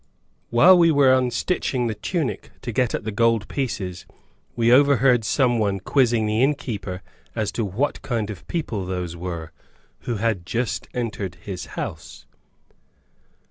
(While we were unstitching the tunic to get at the gold pieces, we overheard some one quizzing the innkeeper as to what kind of people those were, who had just entered his house.